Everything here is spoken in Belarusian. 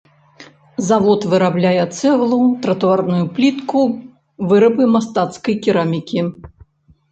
Завод вырабляе цэглу, тратуарную плітку, вырабы мастацкай керамікі.